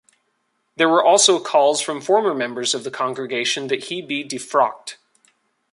There were also calls from former members of the congregation that he be defrocked.